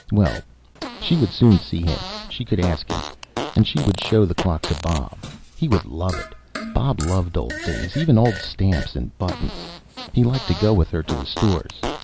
Well, she would soon see him: she could ask him. And she would show the clock to Bob. He would love it; Bob loved old things, even old stamps and buttons. He liked to go with her to the stores.